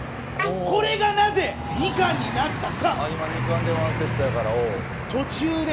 これがなぜ、２貫になったか！